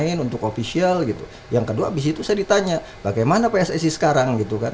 lain untuk official gitu yang kedua habis itu saya ditanya bagaimana pssi sekarang gitu kan